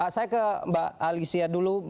saya ke mbak alicia dulu